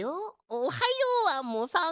おはようアンモさん。